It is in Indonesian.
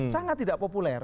sangat tidak populer